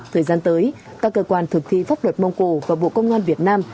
thời gian tới các cơ quan thực thi pháp luật mông cổ và bộ công an việt nam